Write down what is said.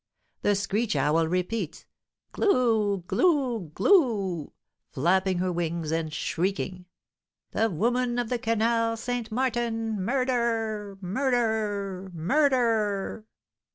The screech owl repeats, "Glou! glou! glou!" flapping her wings, and shrieking: "The woman of the Canal St. Martin! Murder! murder! murder!"